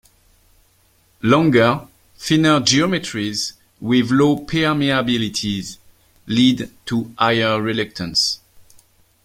Longer, thinner geometries with low permeabilities lead to higher reluctance.